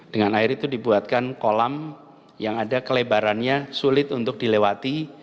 dengan air itu dibuatkan kolam yang ada kelebarannya sulit untuk dilewati